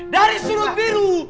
dari sudut biru